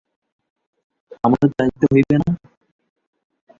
আমারও যাইতে হইবে না?